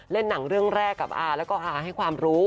หนังเรื่องแรกกับอาแล้วก็อาให้ความรู้